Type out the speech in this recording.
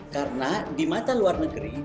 karena di mata luar negeri di mata umum